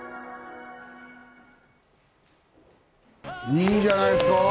いいじゃないんですか。